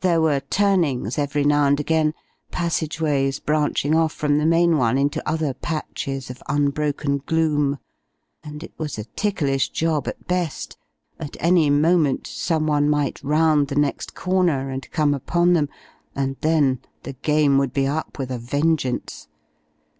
There were turnings every now and again, passageways branching off from the main one into other patches of unbroken gloom. And it was a ticklish job at best. At any moment someone might round the next corner and come upon them, and then the game would be up with a vengeance.